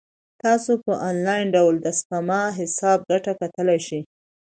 تاسو په انلاین ډول د سپما حساب ګټه کتلای شئ.